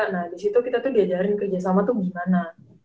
nah disitu kita tuh diajarin kerjasama tuh gimana